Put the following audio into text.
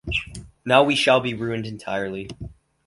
Now we shall be ruined entirely.